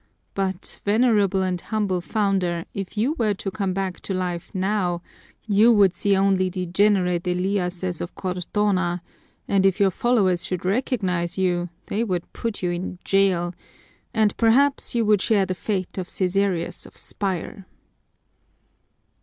But, venerable and humble founder, if you were to come back to life now you would see only degenerate Eliases of Cortona, and if your followers should recognize you, they would put you in jail, and perhaps you would share the fate of Cesareus of Spyre."